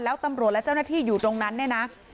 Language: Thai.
แล้วตำรวจและเจ้าหน้าที่อยู่ตรงนั้นเนี่ยนะ